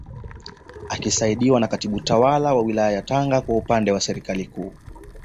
Akisaidiwa na Katibu Tawala wa Wilaya ya Tanga kwa upande wa Serikali Kuu